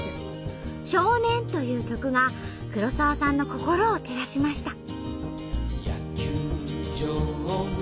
「少年」という曲が黒沢さんの心を照らしました。